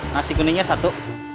nasi kuningnya satu